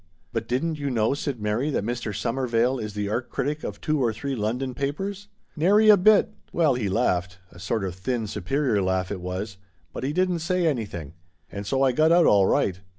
"" But didn't you know," said Mary, " that Mr. Waklyn is the art critic of four or five London papers ?"" Nary a bit. Well, he laughed — a sort of thin, superior laugh it was — but he didn't say anything; and so I got out all right.